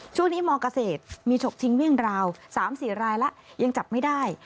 วันนี้มอกเกษตรศาสตร์มีฉกทิ้งเวี่ยงราว๓๔รายละยังจับไม่ได้